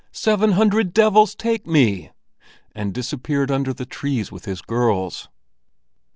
Seven hundred devils take me!" and disappeared under the trees with his girls.